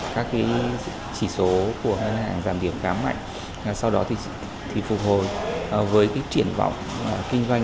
các chỉ số của ngân hàng giảm điểm khá mạnh sau đó thì phục hồi với cái triển vọng kinh doanh